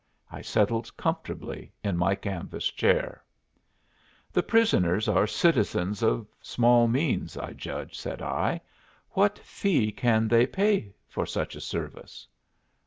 I settled comfortably in my canvas chair. "The prisoners are citizens of small means, I judge," said I. "What fee can they pay for such a service?"